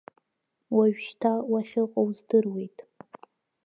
Уажәшьҭа уахьыҟоу здыруеит.